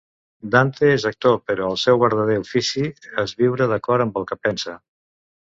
Dante és actor, però el seu verdader ofici és viure d'acord amb el que pensa.